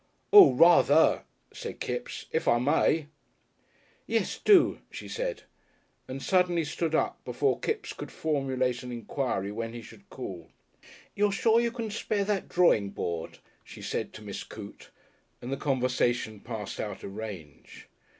"Oo, rather!" said Kipps. "If I may." "Yes, do," she said, and suddenly stood up before Kipps could formulate an enquiry when he should call. "You're sure you can spare that drawing board?" she said to Miss Coote, and the conversation passed out of range.